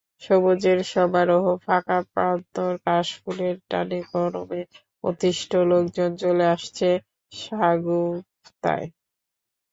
সবুজের সমারোহ, ফাঁকা প্রান্তর, কাশফুলের টানে গরমে অতিষ্ঠ লোকজন চলে আসছেন সাগুফতায়।